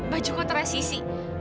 baju kotoran sisi